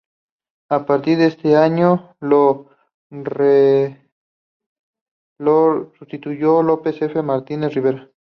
A partir de este año lo sustituyó Lope F. Martínez de Ribera.